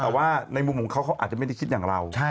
แต่ว่าในมุมของเขาเขาอาจจะไม่ได้คิดอย่างเรา